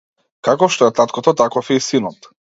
Каков што е таткото, таков е и синот.